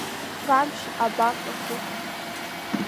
Дӷамшь абаҟаху!